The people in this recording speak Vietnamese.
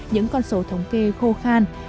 những con số thống kê khô khan